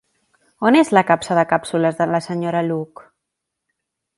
On és la capsa de càpsules de la Sra. Luke?